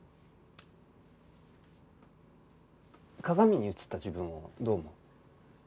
鏡に映った自分をどう思う？